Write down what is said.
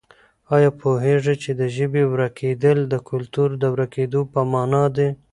آیا پوهېږې چې د ژبې ورکېدل د کلتور د ورکېدو په مانا دي؟